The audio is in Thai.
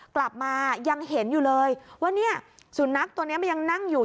กลับมายังเห็นอยู่เลยว่าเนี่ยสุนัขตัวนี้มันยังนั่งอยู่